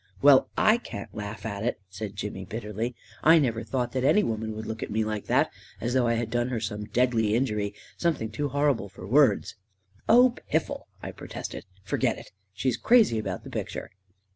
" Well, / can't laugh at it," Said Jimmy bitterly. " I never thought that any woman would look at me like that — as though I had done her some deadly injury — something too horrible for words 1 "" Oh, piffle I" I protested. "Forget it! She's crazy about the picture."